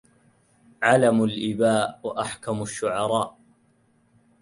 علم الإباء وأحكم الشعراء